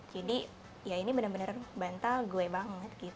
jadi ya ini bener bener bantal gue banget gitu